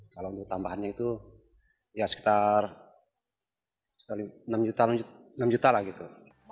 kalau tambahannya itu ya sekitar enam juta lah gitu